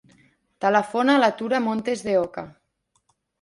Telefona a la Tura Montes De Oca.